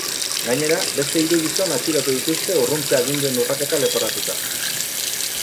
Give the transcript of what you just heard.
Gainera, beste hiru gizon atxilotu dituzte urruntze aginduen urraketa leporatuta.